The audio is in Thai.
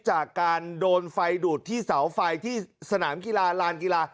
จากการโดนไฟดูดที่เสาไฟที่สนามกีฬาลานกีฬา